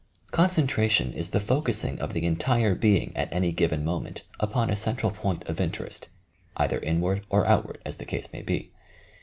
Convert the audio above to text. Concentration is the focusing of the entire being at any given moment upon a central point of interest, either inward or outward, as the case may be.